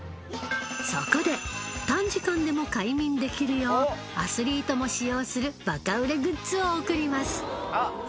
そこで短時間でも快眠できるようアスリートも使用するバカ売れグッズを贈ります